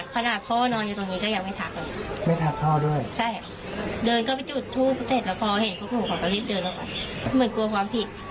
กลัวความผิดมากกว่าแต่ไม่ได้ดูเศร้า